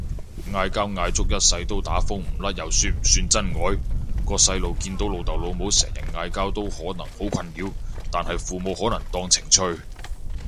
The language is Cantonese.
嗌交嗌足一世都打風唔甩又算唔算真愛？個細路見到老豆老母成日嗌交都可能好困擾，但係父母可能當情趣